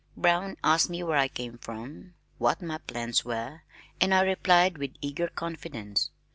Brown asked me where I came from, what my plans were, and I replied with eager confidence.